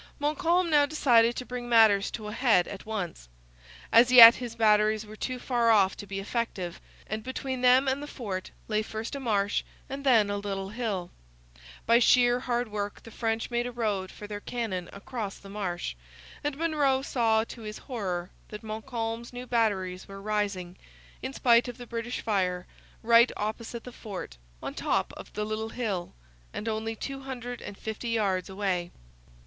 Montcalm now decided to bring matters to a head at once. As yet his batteries were too far off to be effective, and between them and the fort lay first a marsh and then a little hill. By sheer hard work the French made a road for their cannon across the marsh; and Monro saw, to his horror, that Montcalm's new batteries were rising, in spite of the British fire, right opposite the fort, on top of the little hill, and only two hundred and fifty yards away.